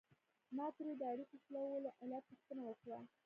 ما ترې د اړیکو شلولو علت پوښتنه وکړه.